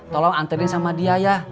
tolong anterin sama dia ya